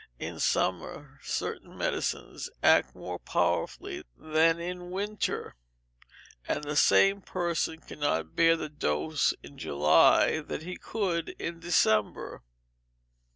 In summer, certain medicines act more powerfully than in winter, and the same person cannot bear the dose in July that he could in December.